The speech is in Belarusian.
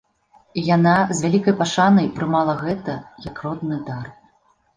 І яна, з вялікай пашанай, прымала гэта, як родны дар.